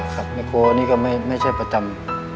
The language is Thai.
ขับแมคโครอันนี้ก็ไม่ใช่ประจำ